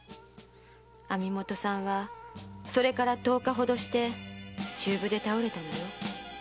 網元さんはそれから十日ほどして中風で倒れたのよ。